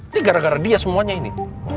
ini gara gara dia semuanya ini